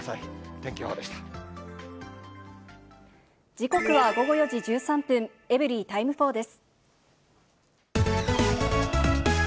時刻は午後４時１３分、エブリィタイム４です。